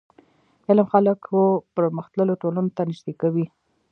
علم خلک و پرمختللو ټولنو ته نژدي کوي.